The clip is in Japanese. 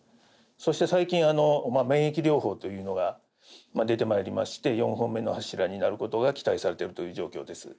そして最近免疫療法というのが出てまいりまして４本目の柱になることが期待されてるという状況です。